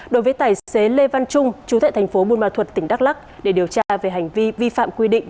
đối với tài xế lê văn trung chú tại thành phố buôn ma thuật tỉnh đắk lắc để điều tra về hành vi vi phạm quy định